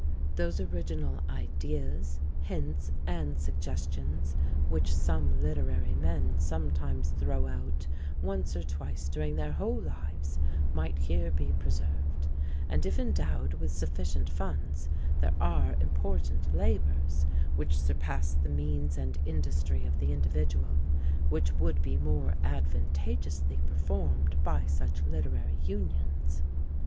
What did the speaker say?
Those original ideas, hints, and suggestions, which some literary men sometimes throw out once or twice during their whole lives, might here be preserved; and if endowed with sufficient funds, there are important labours, which surpass the means and industry of the individual, which would be more advantageously performed by such literary unions.